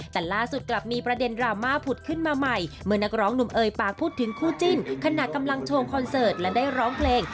แต่ล่าสุดกลับมีประเด็นดราม่าผุดขึ้นมาใหม่เมื่อนักร้องหนุ่มเอ่ยปากพูดถึงคู่จิ้นขณะกำลังโชว์คอนเสิร์ตและได้ร้องเพลง